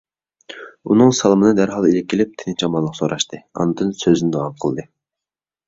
ئۇنىڭ سالىمىنى دەرھال ئىلىك ئېلىپ، تىنچ - ئامانلىق سوراشتى، ئاندىن سۆزىنى داۋام قىلدى: